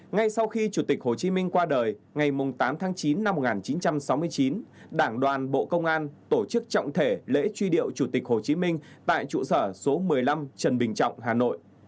ngay sau khi chủ tịch hồ chí minh qua đời ngày tám tháng chín năm một nghìn chín trăm sáu mươi chín đảng đoàn bộ công an tổ chức trọng thể lễ truy điệu chủ tịch hồ chí minh tại trụ sở số một mươi năm trần bình trọng hà nội